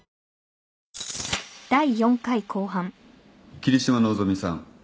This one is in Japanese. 桐島希美さん